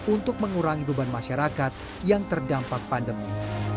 untuk mengurangi beban masyarakat yang terdampak pandemi